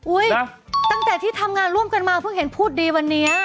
ตั้งแต่ที่ทำงานร่วมกันมาเพิ่งเห็นพูดดีวันนี้